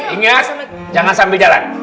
inget jangan sambil jalan